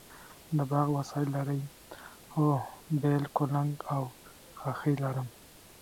د باغ وسایل لرئ؟ هو، بیل، کلنګ او خاښۍ لرم